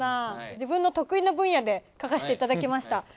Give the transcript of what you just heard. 自分の得意な分野で描かせていただきました。